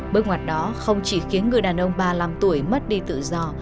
bước ngoặt đó không chỉ khiến người đàn ông ba mươi năm tuổi mất đi tự do